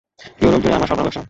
ইউরোপজুড়ে আমার সরবরাহ ব্যবসা।